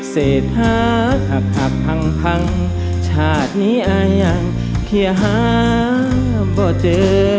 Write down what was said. เศรษฐาหักหักพังพังชาตินี้อายังเขียหาบ่อเจอ